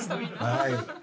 はい。